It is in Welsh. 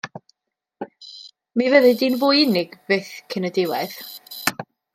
Mi fyddi di'n fwy unig byth cyn y diwedd.